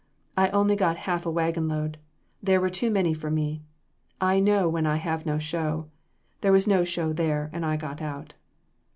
I only got half a wagon load. They were too many for me. I know when I have no show. There was no show there, and I got out.